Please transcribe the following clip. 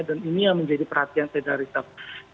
dan ini yang menjadi perhatian federal resource